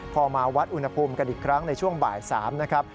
พอมาวัดอุณหภูมิกันอีกครั้งในช่วงบ่าย๓นะครับ